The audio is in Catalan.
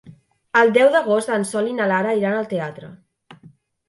El deu d'agost en Sol i na Lara iran al teatre.